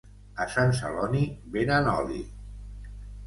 a Sant Celoni venen oli